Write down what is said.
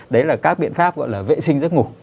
đấy là các biện pháp gọi là vệ sinh giấc ngủ